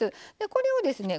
これをですね